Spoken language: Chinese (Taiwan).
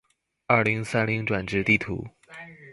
二零三零轉職地圖